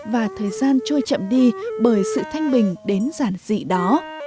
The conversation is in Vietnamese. và thời gian trôi chậm đi bởi sự thanh bình đến giản dị đó